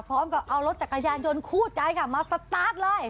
พร้อมกับเอารถจักรยานยนต์คู่ใจค่ะมาสตาร์ทเลย